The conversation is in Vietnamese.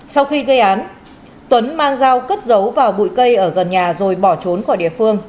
sau khi gây án tuấn mang dao cất dấu vào bụi cây ở gần nhà rồi bỏ trốn khỏi địa phương